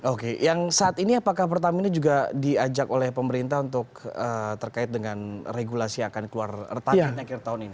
oke yang saat ini apakah pertamina juga diajak oleh pemerintah untuk terkait dengan regulasi yang akan keluar retakan akhir tahun ini